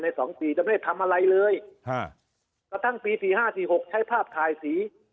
สองปีจะไม่ได้ทำอะไรเลยกระทั่งปีสี่ห้าสี่หกใช้ภาพถ่ายสี